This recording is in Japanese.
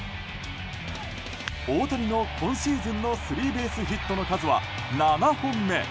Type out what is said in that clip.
大谷の今シーズンのスリーベースヒットの数は７本目。